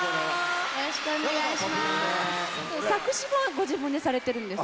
よろしくお願いします。